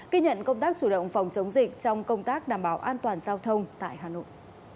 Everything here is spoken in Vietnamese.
ghi nhận công tác chủ động phòng chống dịch trong công tác đảm bảo an toàn giao thông tại hà nội